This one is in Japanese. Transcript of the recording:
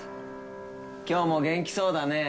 今日も元気そうだねえ